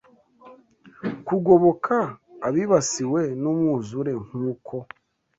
kugoboka abibasiwe n’umwuzure, nk’uko